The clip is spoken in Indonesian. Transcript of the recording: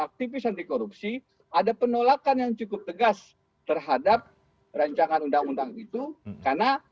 aktivis anti korupsi ada penolakan yang cukup tegas terhadap rancangan undang undang itu karena